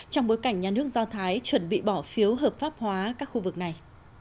trong bối cảnh nhà nước do thái chuẩn bị bỏ phiếu hợp pháp hóa các khu vực này